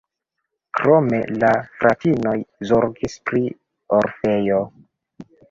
Krome la fratinoj zorgis pri orfejo.